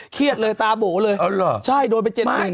เครียดเลยตาโบ๋เลยใช่โดนไป๗๐๐๐๐อย่างนี้อ๋อหรอ